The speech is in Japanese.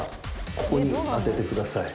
ここにあててください